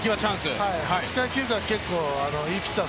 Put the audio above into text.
８回、９回は結構いいピッチャー